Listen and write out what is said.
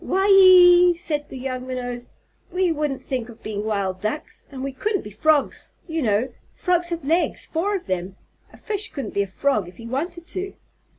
"Why ee!" said the young Minnows. "We wouldn't think of being Wild Ducks, and we couldn't be Frogs, you know. Frogs have legs four of them. A fish couldn't be a Frog if he wanted to!"